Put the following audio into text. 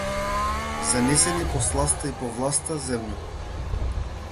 Занесени по сласта и по власта земна.